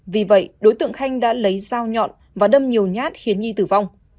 vì vậy đối tượng khanh đã lấy dao nhọn và đâm nhiều nhát khiến nhi tử vong